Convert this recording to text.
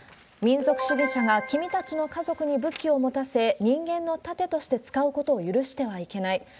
民族主義者が君たちの家族に武器を持たせ、人間の盾として使うことを許してはいけない。